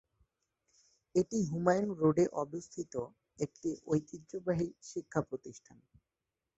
এটি হুমায়ূন রোডে অবস্থিত একটি ঐতিহ্যবাহী শিক্ষা প্রতিষ্ঠান।